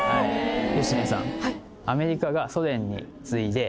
芳根さん。